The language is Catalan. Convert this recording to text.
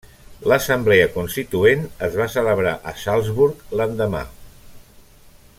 L'assemblea constituent es va celebrar a Salzburg l'endemà.